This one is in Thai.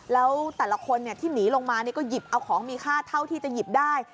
แล้วแต่ละคนที่หนีลงมาก็หยิบเอาของมีค่าเท่าที่จะหยิบได้